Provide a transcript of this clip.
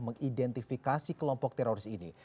mengidentifikasi kelompok teroris ini